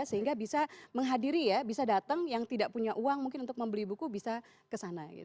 sehingga bisa menghadiri ya bisa datang yang tidak punya uang mungkin untuk membeli buku bisa ke sana